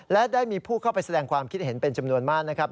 และได้มีผู้เข้าไปแสดงความคิดเห็นเป็นจำนวนมากนะครับ